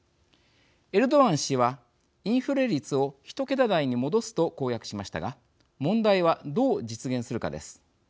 エルドアン氏はインフレ率を１桁台に戻すと公約しましたが問題はどう実現するかです。